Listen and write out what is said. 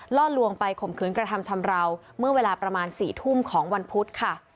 ล่อลวงไปข่มขืนกระทำชำราวเมื่อเวลาประมาณ๔ทุ่มของวันพุธค่ะ